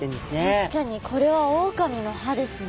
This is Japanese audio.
確かにこれはオオカミの歯ですね。